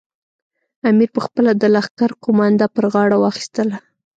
امیر پخپله د لښکر قومانده پر غاړه واخیستله.